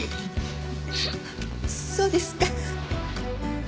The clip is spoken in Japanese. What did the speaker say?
そうですか。